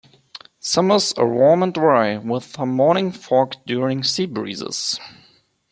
Summers are warm and dry, with some morning fog during sea breezes.